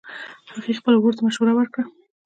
هغې خپل ورور ته مشوره ورکړه